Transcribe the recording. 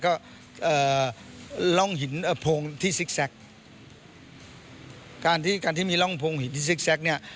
ก็เอ่อล่องหินเอ่อโพงที่ซิกแซคการที่การที่มีร่องโพงหินที่ซิกแก๊กเนี่ย